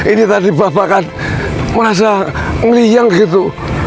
ini tadi bapak kan merasa ngeliang gitu